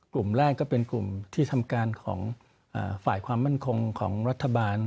กลุ่มแรกก็เป็นกลุ่มที่ทำการของฝ่ายความมั่นคงของรัฐบาล